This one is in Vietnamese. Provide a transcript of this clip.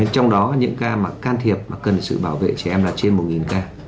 trong đó những ca mà can thiệp mà cần sự bảo vệ trẻ em là trên một ca